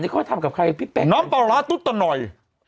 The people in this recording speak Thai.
แต่เขาเลยทำกับใครพี่เป๊กน้ำปลาร้าตูตตัวหน่อย